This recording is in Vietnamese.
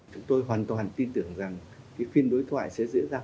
chúng tôi hoàn toàn tin tưởng rằng phiên đối thoại sẽ diễn ra